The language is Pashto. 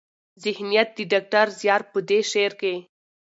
ذهنيت د ډاکټر زيار په دې شعر کې